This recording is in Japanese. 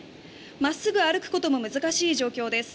まっすぐ歩くことも難しい状況です。